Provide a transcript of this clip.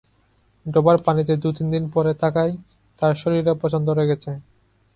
ডোবার পানিতে দু-তিন দিন পরে থাকায় তার শরীরে পচন ধরে গেছে।